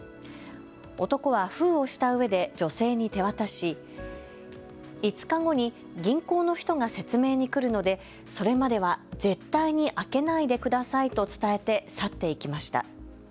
男は封をしたうえで女性に手渡し５日後に銀行の人が説明に来るのでそれまでは絶対に開けないでくださいと伝えて去って行きました。